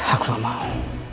aku gak mau